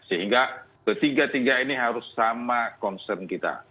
sehingga ketiga tiga ini harus sama concern kita